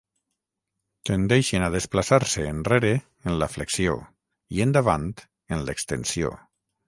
Tendeixen a desplaçar-se enrere en la flexió i endavant en l'extensió.